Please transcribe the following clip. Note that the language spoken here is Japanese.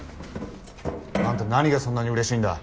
あんたなにがそんなに嬉しいんだ。